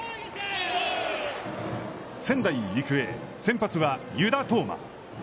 仙台育英、先発は湯田統真。